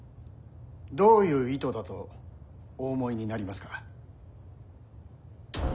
どういう意図だとお思いになりますか？